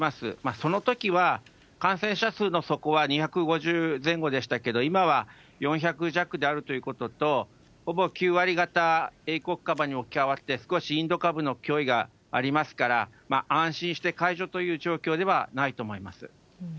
そのときは感染者数のそこは２５０前後でしたけど、今は４００弱であるということと、ほぼ９割がた英国株に置き換わって、少しインド株の脅威がありますから、安心して解除という状況ではないと思います。